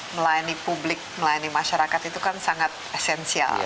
melayani publik melayani masyarakat itu kan sangat esensial